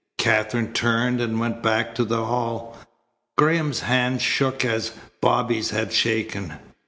Katherine turned and went back to the hall. Graham's hand shook as Bobby's had shaken.